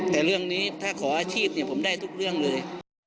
แต่เรื่องนี้ถ้าขออาชีพผมได้ทุกเรื่องเลย